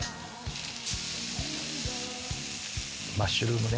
マッシュルームね。